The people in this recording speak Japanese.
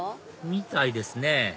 みたいですね